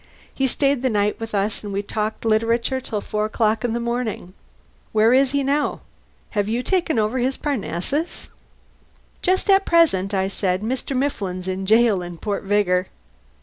He stayed the night with us and we talked literature till four o'clock in the morning. Where is he now? Have you taken over Parnassus?" "Just at present," I said, "Mr. Mifflin is in the jail at Port Vigor."